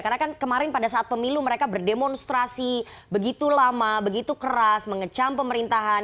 karena kan kemarin pada saat pemilu mereka berdemonstrasi begitu lama begitu keras mengecam pemerintahan